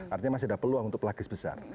artinya masih ada peluang untuk pelagis besar